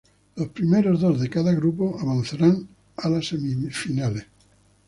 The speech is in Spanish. Los primeros dos de cada grupo avanzarán a las semifinales.